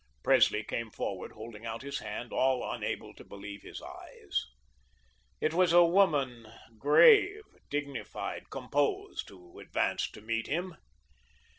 Presley came forward, holding out his hand, all unable to believe his eyes. It was a woman, grave, dignified, composed, who advanced to meet him.